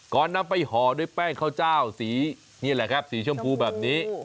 นำไปห่อด้วยแป้งข้าวเจ้าสีนี่แหละครับสีชมพูแบบนี้